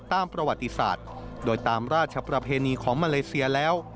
ตามประวัติศาสตร์โดยตามราชประเพณีของมาเลเซียแล้ว